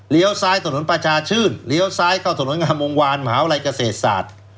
เลี้ยวซ้ายถนนประชาชื่นเลี้ยวซ้ายเข้าถนนงามวงวานมหาวไลกเศษศาสตร์